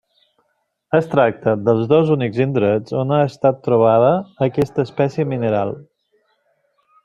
Es tracta dels dos únics indrets on ha estat trobada aquesta espècie mineral.